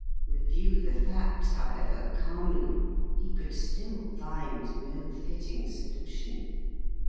Review the facts however calmly, he could still find no fitting solution.